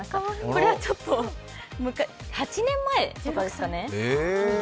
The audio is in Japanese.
これはちょっと、８年前ですかね。